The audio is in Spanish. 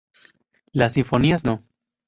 Las Sinfonías No.